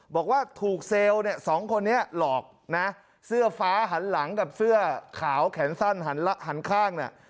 บอกว่าถูกเซลล์เนี่ยสองคนนี้หลอกนะเสื้อฟ้าหันหลังกับเสื้อขาวแขนสั้นหันข้างเนี่ย